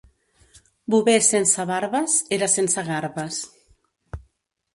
Bover sense barbes, era sense garbes.